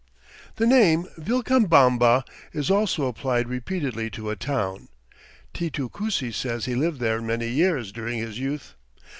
The name, Vilcabamba, is also applied repeatedly to a town. Titu Cusi says he lived there many years during his youth.